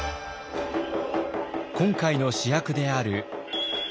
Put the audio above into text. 今回の主役である能。